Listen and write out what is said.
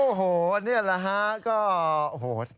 โอ้โหนี่แหละฮะก็